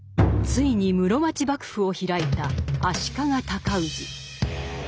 ついに室町幕府を開いた足利尊氏。